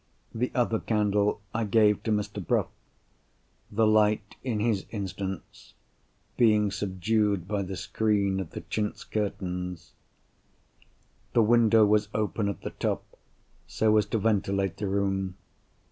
The other candle I gave to Mr. Bruff; the light, in this instance, being subdued by the screen of the chintz curtains. The window was open at the top, so as to ventilate the room.